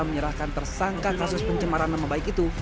menyerahkan tersangka kasus pencemaran nama baik itu